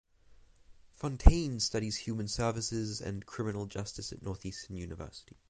Fontaine studies human services and criminal justice at Northeastern University.